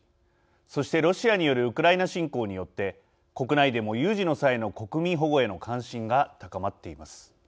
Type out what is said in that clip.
そして、ロシアによるウクライナ侵攻によって国内でも有事の際の国民保護への関心が高まっています。